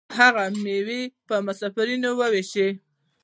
هغه میوې په مسافرینو ویشلې.